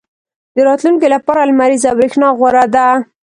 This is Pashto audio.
• د راتلونکي لپاره لمریزه برېښنا غوره ده.